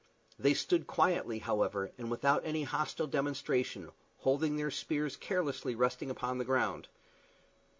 They stood quietly, however, and without any hostile demonstration, holding their spears carelessly resting upon the ground.